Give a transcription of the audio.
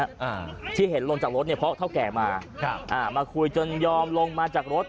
อ่าที่เห็นลงจากรถเนี่ยเพราะเท่าแก่มาครับอ่ามาคุยจนยอมลงมาจากรถ